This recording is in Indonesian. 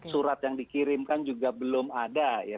surat yang dikirimkan juga belum ada ya